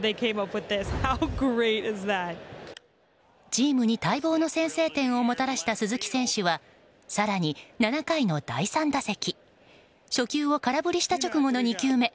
チームに待望の先制点をもたらした鈴木選手は更に７回の第３打席初球を空振りした直後の２球目。